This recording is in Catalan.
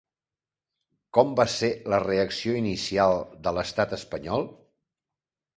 Com va ser la reacció inicial de l'estat espanyol?